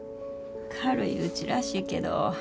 軽いうちらしいけど。